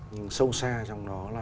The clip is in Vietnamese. nhưng sâu xa trong đó là